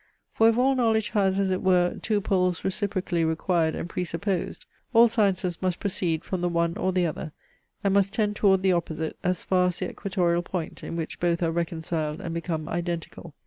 For if all knowledge has, as it were, two poles reciprocally required and presupposed, all sciences must proceed from the one or the other, and must tend toward the opposite as far as the equatorial point in which both are reconciled and become identical.